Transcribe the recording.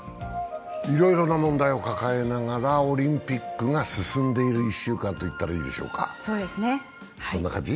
いろいろな問題を抱えながらオリンピックが進んでいる１週間と言ったらいいでしょうか。